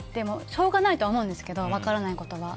しょうがないとは思うんですけど分からないことは。